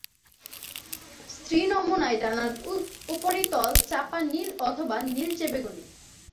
স্ত্রী নমুনায় ডানার উপরিতল চাপা নীল অথবা নীলচে বেগুনি।